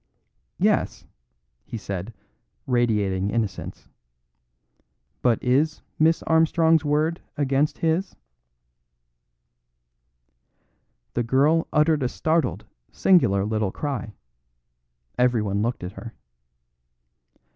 "Yes," he said, radiating innocence, "but is Miss Armstrong's word against his?" The girl uttered a startled, singular little cry; everyone looked at her.